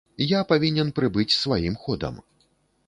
Я павінен прыбыць сваім ходам.